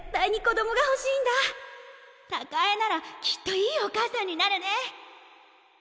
貴恵ならきっといいお母さんになるね。